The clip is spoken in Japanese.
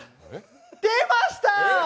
出ました！